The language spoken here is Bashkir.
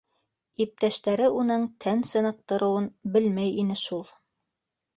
Иптәштәре уның тән сыныҡтырыуын белмәй ине шул.